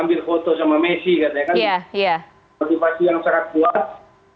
motivasi yang sangat kuat